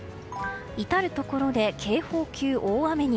至るところで警報級大雨に。